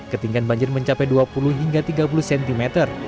ketinggian banjir mencapai dua puluh hingga tiga puluh cm